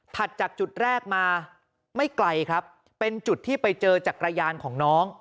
จากจุดแรกมาไม่ไกลครับเป็นจุดที่ไปเจอจักรยานของน้อง